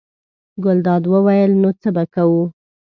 ګلداد وویل: نو څه به کوو.